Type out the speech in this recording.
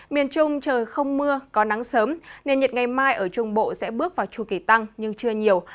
miền trung trời không mưa có nắng sớm nền nhiệt ngày mai ở trung bộ sẽ bước vào chu kỳ tăng nhưng chưa nhiều